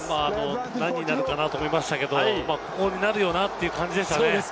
何になるかなと思いましたけど、こうなるよなって感じでしたよね。